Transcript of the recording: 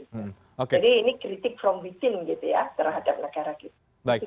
jadi ini kritik from within gitu ya terhadap negara gitu